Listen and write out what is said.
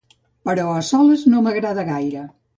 Però a soles no m'agrada gaire.